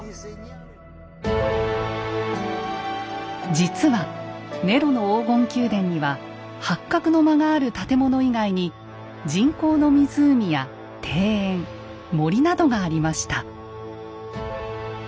実はネロの黄金宮殿には八角の間がある建物以外に人工の湖や庭園森などがありました。